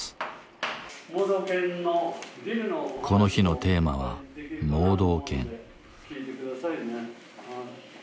この日のテーマは盲導犬。